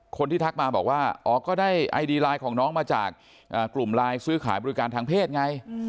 ทักมาบอกว่าอ๋อก็ได้ไอดีไลน์ของน้องมาจากกลุ่มไลน์ซื้อขายบริการทางเพศไง